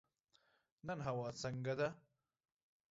نن هوا څنګه ده؟